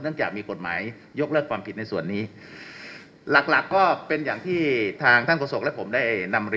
ต้องจากมีกฎหมายยกเลิกความผิดในส่วนนี้หลักหลักก็เป็นอย่างที่ทางท่านกระสบแล้วผม